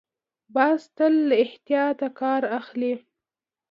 باز تل له احتیاط کار اخلي